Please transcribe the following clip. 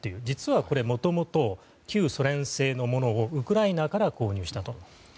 実は、これもともと旧ソ連製のものをウクライナから購入したと。